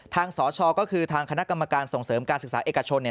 สชก็คือทางคณะกรรมการส่งเสริมการศึกษาเอกชน